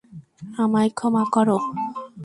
আমায় ক্ষমা কর।